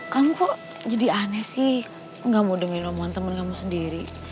kamu kok jadi aneh sih gak mau dengerin omongan teman kamu sendiri